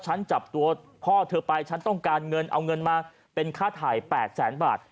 จับตัวพ่อเธอไปฉันต้องการเงินเอาเงินมาเป็นค่าถ่าย๘แสนบาท